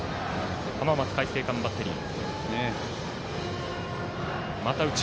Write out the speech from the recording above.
浜松開誠館バッテリー。